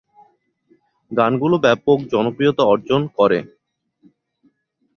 গানগুলো ব্যাপক জনপ্রিয়তা অর্জন করে।